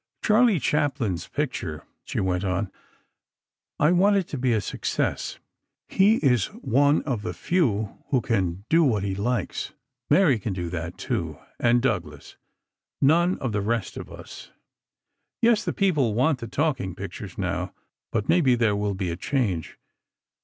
"Charlie Chaplin's picture," she went on—"I want it to be a success. He is one of the few who can do what he likes. Mary can do that, too, and Douglas. None of the rest of us. Yes, the people want the talking pictures now, but maybe there will be a change.